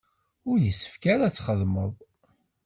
Ur yessefk ara ad txedmeḍ.